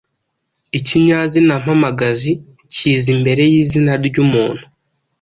Ikinyazina mpamagazi kiza imbere y’izina ry’umuntu